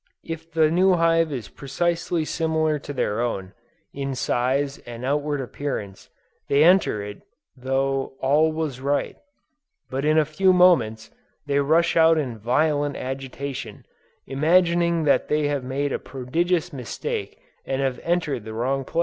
If the new hive is precisely similar to their own, in size and outward appearance, they enter it as though all was right; but in a few moments, they rush out in violent agitation, imagining that they have made a prodigious mistake and have entered the wrong place.